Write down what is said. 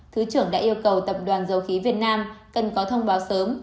thứ trưởng đã yêu cầu tập đoàn dầu khí việt nam cần có thông báo sớm